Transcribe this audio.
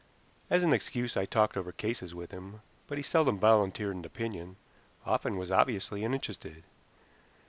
As an excuse I talked over cases with him, but he seldom volunteered an opinion, often was obviously uninterested.